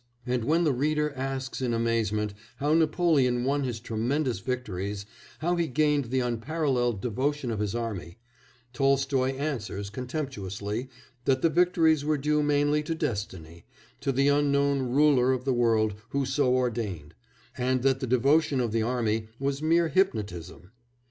And when the reader asks in amazement how Napoleon won his tremendous victories, how he gained the unparalleled devotion of his army, Tolstoy answers contemptuously that the victories were due mainly to destiny, to the unknown Ruler of the world who so ordained, and that the devotion of the army was mere hypnotism.